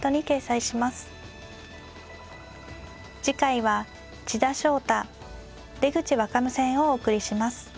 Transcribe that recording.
次回は千田翔太出口若武戦をお送りします。